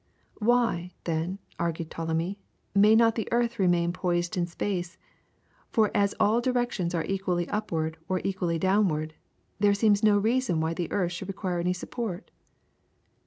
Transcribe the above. Why, then, argued Ptolemy, may not the earth remain poised in space, for as all directions are equally upward or equally downward, there seems no reason why the earth should require any support?